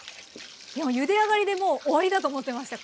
いやゆで上がりでもう終わりだと思ってました。